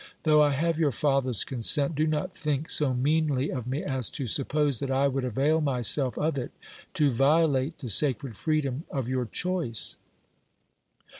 Though I have your father's consent, do not think so meanly of me as to sup pose that I would avail myself of it to violate the sacred freedom of your choice.